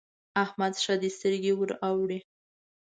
احمد ښه دی؛ سترګې ور اوړي.